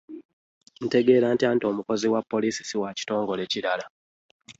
Ntegeera ntya nti omukungu wa poliisi ssi wakitongole kirala?